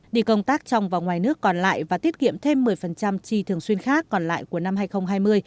đi công tác trong và ngoài nước còn lại và tiết kiệm thêm một mươi chi thường xuyên khác còn lại của năm hai nghìn hai mươi